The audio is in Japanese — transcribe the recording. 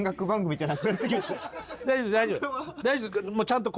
大丈夫大丈夫。